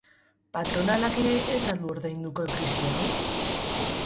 Patronalak ere ez al du ordainduko krisi hau?